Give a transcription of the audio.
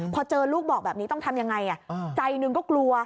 พอเจอลูกบอกแบบนี้ต้องทำยังไงใจหนึ่งก็กลัว